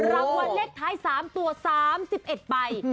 รางวัลเลขท้าย๓ตัว๓๑ใบ